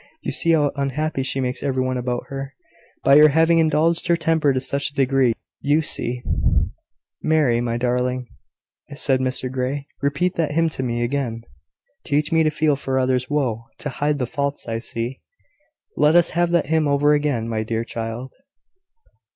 You see how unhappy she makes every one about her, by her having indulged her temper to such a degree. You see " "Mary, my darling," said Mr Grey, "repeat that hymn to me again: "`Teach me to feel for others' woe, To hide the faults I see.' "Let us have that hymn over again, my dear child."